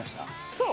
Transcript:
そう？